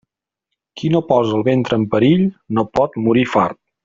Qui no posa el ventre en perill, no pot morir fart.